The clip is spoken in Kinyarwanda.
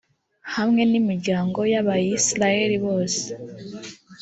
hamwe n’imiryango y’abayisraheli yose.